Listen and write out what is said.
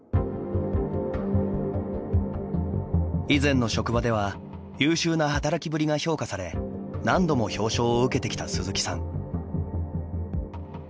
以前の職場では優秀な働きぶりが評価され何度も表彰を受けてきた鈴木さん。